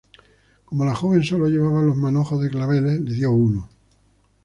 Como la joven sólo llevaba los manojos de claveles, le dio uno.